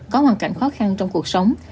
có hoàn cảnh khó khăn trong cuộc sống